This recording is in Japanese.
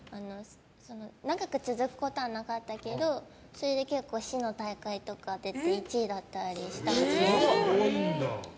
長く続くことはなかったけどそれで市の大会とか出て１位だったりしたんですけど。